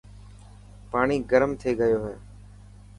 پاڻي گرم ٿي گيو هي.